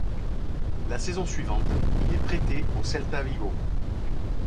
La saison suivante, il est prêté au Celta Vigo.